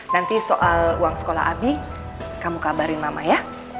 nanti soal uang sekolah abi kamu kabarin mama ya